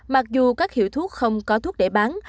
mặc dù các hiệu thuốc không có thuốc để bán